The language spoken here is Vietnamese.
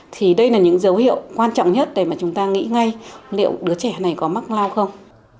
thì đây là những dấu hiệu quan trọng nhất để mà chúng ta nghĩ ngay liệu đứa trẻ này có mắc lao không